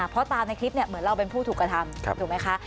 เพราะตามในคลิปเหมือนเราเป็นผู้ถูกกระทำถูกไหมคะ